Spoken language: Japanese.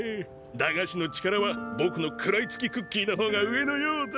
駄菓子の力はぼくの食らいつきクッキーの方が上のようだ。